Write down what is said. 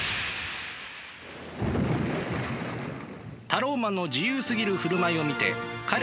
タローマンの自由すぎる振る舞いを見て彼らは思った。